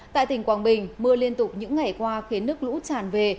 tại tỉnh quảng bình mưa liên tục những ngày qua khiến nước lũ tràn về